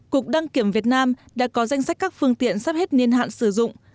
cục đăng kiểm việt nam đã có danh sách các phương tiện sắp hết niên hạn sử dụng